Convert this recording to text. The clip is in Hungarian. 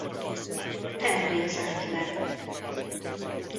Henrik zárt le.